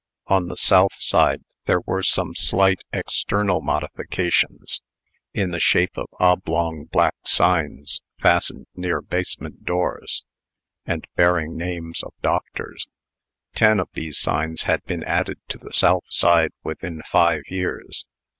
On the south side there were some slight external modifications, in the shape of oblong black signs, fastened near basement doors, and bearing names of doctors. Ten of these signs had been added to the south side within five years.